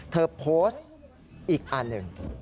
เธอโพสต์อีกอันหนึ่ง